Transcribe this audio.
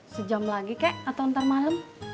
sejam lagi kek atau ntar malam